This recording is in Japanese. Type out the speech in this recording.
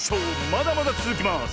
まだまだつづきます！